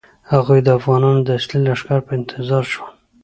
هغوی د افغانانو د اصلي لښکر په انتظار شول.